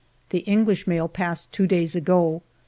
The English mail passed two days ago.